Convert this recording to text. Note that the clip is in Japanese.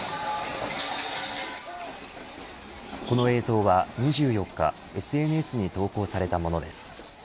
この映像は２４日ＳＮＳに投稿されたものです。